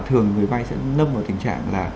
thường người vay sẽ nâm vào tình trạng là